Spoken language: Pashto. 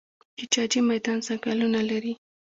د جاجي میدان ځنګلونه لري